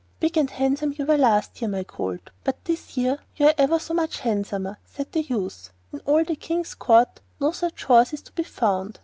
'Big and handsome you were last year, my colt, but this year you are ever so much handsomer,' said the youth; 'in all the King's court no such horse is to be found.